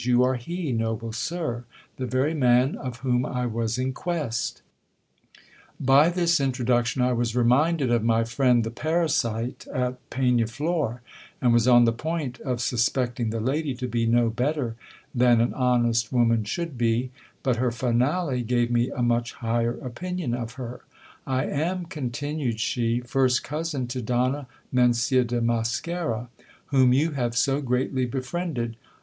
You are he, noble sir, the very man of whom I was in quest By this introduc tion I was reminded of my friend the parasite at Pegnaflor, and was on the ]>oint of suspecting the lady to be no better than an honest woman should be : but her finale gave me a much higher opinion of her. I am, continued she, first cousin to Donna Mencia de Mosquera, whom you have so greatly befriended.